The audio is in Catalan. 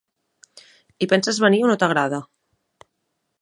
Hi penses venir o no t'agrada?